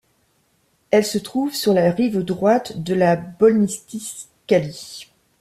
Elle se trouve sur la rive droite de la Bolnissistsqali.